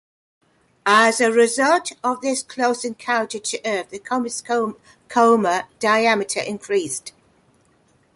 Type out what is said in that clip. As a result of this close encounter to Earth the comet's coma diameter increased.